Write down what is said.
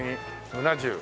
うな重。